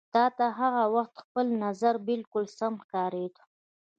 تا ته هغه وخت خپل نظر بالکل سم ښکارېده.